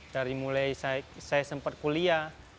dari mulai saya sempat kuliah